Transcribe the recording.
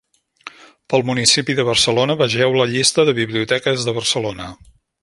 Pel municipi de Barcelona vegeu la llista de biblioteques de Barcelona.